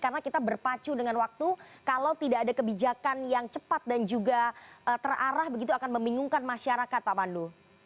karena kita berpacu dengan waktu kalau tidak ada kebijakan yang cepat dan juga terarah begitu akan membingungkan masyarakat pak pandu